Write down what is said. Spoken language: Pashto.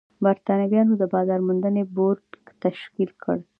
برېټانویانو د بازار موندنې بورډ تشکیل کړ.